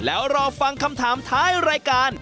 แล้วรอฟังคำถามท้ายรายการ